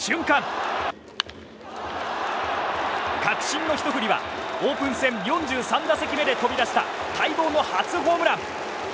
会心のひと振りはオープン戦４３戦目で飛び出した待望の初ホームラン。